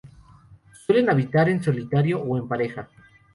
Suelen habitar en solitario o en pareja.